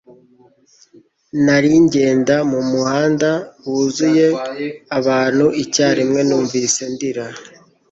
Nari ngenda mu muhanda wuzuye abantu icyarimwe numvise ndira